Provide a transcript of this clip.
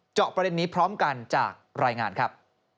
ประเด็นนี้พร้อมกันจากรายงานครับ